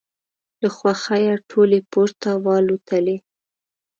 له خوښیه ټولې پورته والوتلې.